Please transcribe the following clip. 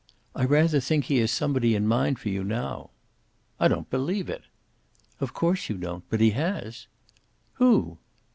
"I rather think he has somebody in mind for you now." "I don't believe it." "Of course you don't. But he has." "Who?"